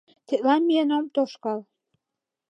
Тетла миен ом тошкал.